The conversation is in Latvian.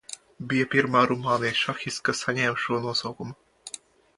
Bija pirmā Rumānijas šahiste, kas saņēmusi šo nosaukumu.